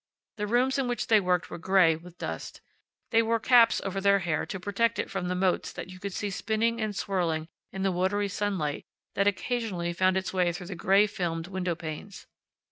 The rooms in which they worked were gray with dust. They wore caps over their hair to protect it from the motes that you could see spinning and swirling in the watery sunlight that occasionally found its way through the gray filmed window panes.